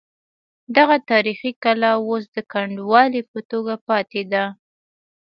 دغه تاریخي کلا اوس د کنډوالې په توګه پاتې ده.